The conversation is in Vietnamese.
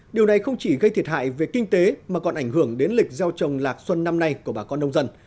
điều này không chỉ gây thiệt hại về kinh tế mà còn ảnh hưởng đến lịch gieo trồng lạc xuân năm nay của bà con nông dân